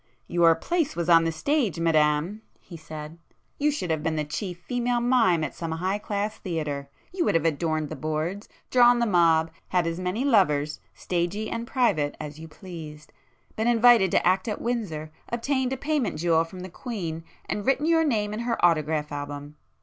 "Your place was the stage, Madam!" he said—"You should have been the chief female mime at some 'high class' theatre! You would have adorned the boards, drawn the mob, had as many lovers, stagey and private as you pleased, been invited to act at Windsor, obtained a payment jewel from the Queen, and written your name in her autograph album.